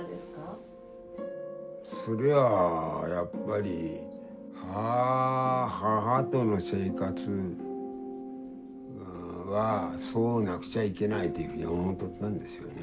それはやっぱり母との生活はそうなくちゃいけないというふうに思ってたんでしょうね。